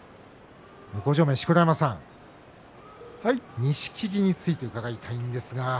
錣山さん錦木について伺いたいんですが。